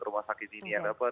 rumah sakit ini yang dapat